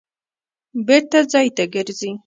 بېرته ځای ته ګرځي.